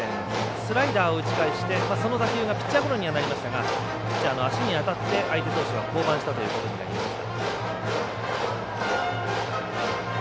スライダーを打ち返してその打球がピッチャーゴロになりましたがピッチャーの足に当たって相手投手が降板したということになりました。